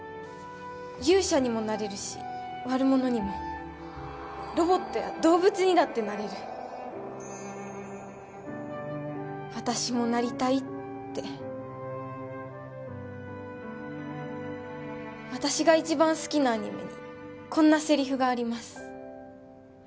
勇者にもなれるし悪者にもロボットや動物にだってなれる私もなりたいって私が一番好きなアニメにこんなセリフがあります